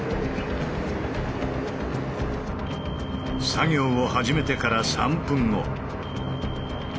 作業を始めてから３分後。